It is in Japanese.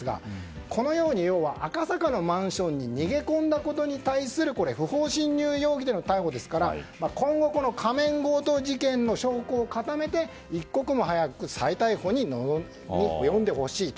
赤坂のマンションに逃げ込んだことに対する不法侵入容疑での逮捕ですから今後仮面強盗事件の証拠を固めて一刻も早く再逮捕に及んでほしいと。